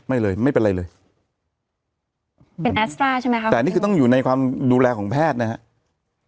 ไม่เลยไม่เป็นไรเลยเป็นใช่ไหมคะแต่นี่คือต้องอยู่ในความดูแลของแพทย์นะฮะ